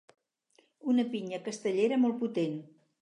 Una pinya castellera molt potent